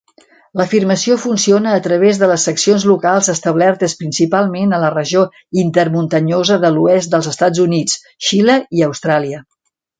L'afirmació funciona a través de les seccions locals establertes principalment a la regió intermuntanyosa de l'oest dels Estats Units, Xile i Austràlia.